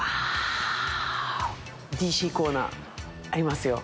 ＤＣコーナーありますよ。